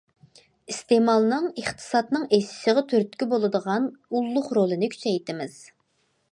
ئىستېمالنىڭ ئىقتىسادنىڭ ئېشىشىغا تۈرتكە بولىدىغان ئۇللۇق رولىنى كۈچەيتىمىز.